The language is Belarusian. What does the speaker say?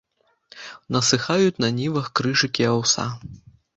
Насыхаюць на нівах крыжыкі аўса.